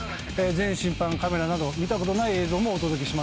全審判カメラなど見たことない映像もお届けします。